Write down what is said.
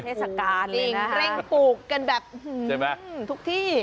เทศกาลเลยนะฮะเร่งปลูกกันแบบทุกที่